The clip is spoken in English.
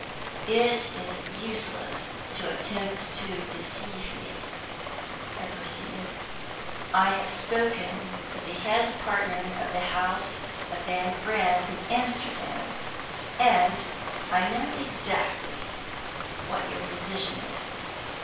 "It is useless to attempt to deceive me," I proceeded. "I have spoken with the head partner of the house of Van Brandt at Amsterdam, and I know exactly what your position is.